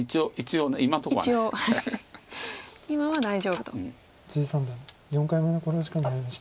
三段４回目の考慮時間に入りました。